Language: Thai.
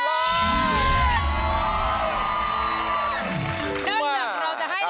ด้านสำหรับเราจะให้ร้านแล้วนะครับ